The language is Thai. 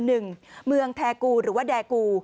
หนึ่งเมืองแทกูหรือว่าแดกู